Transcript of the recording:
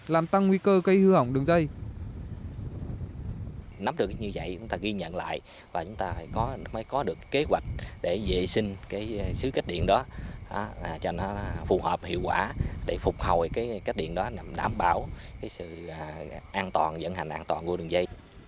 làm tăng nguy cơ cây hư hỏng đường dây